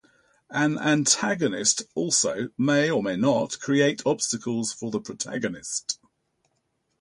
An antagonist also may or may not create obstacles for the protagonist.